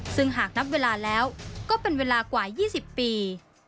ซึ่งหากนับเวลาแล้วก็เป็นเวลากว่า๒๐ปี